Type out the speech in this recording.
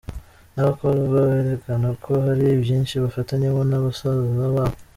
N’abakorwa berekana ko hari ibyinshi bafatanyamo na basaza babo.